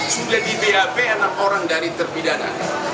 sudah di bap enam orang dari terpidana